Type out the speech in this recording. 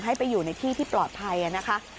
ให้ไปอยู่ในที่ที่ปลอดภัยนะคะ